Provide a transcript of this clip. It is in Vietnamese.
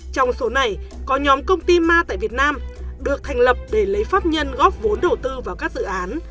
trong số này có nhóm công ty ma tại việt nam được thành lập để lấy pháp nhân góp vốn đầu tư vào các dự án